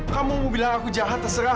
kamu mau bilang aku jahat terserah